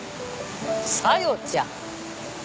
さよちゃん？